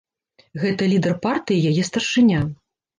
Гэта лідар партыі, яе старшыня.